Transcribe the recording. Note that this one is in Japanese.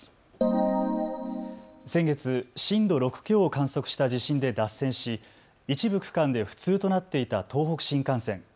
先月、震度６強を観測した地震で脱線し一部区間で不通となっていた東北新幹線。